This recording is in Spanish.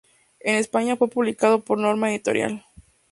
En España fue publicado por Norma Editorial.